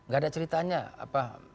gak ada ceritanya